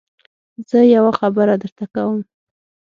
زه يوه خبره درته کوم.